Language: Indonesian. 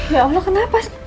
ya allah kenapa